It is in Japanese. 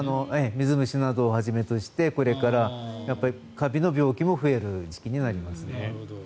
水虫などをはじめとしてこれからカビの病気も増える時期になりますね。